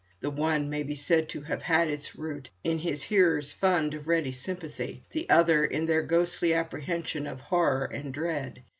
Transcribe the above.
The one may be said to have had its root in his hearers' fund of ready sympathy, the other in their ghostly apprehension of horror and dread.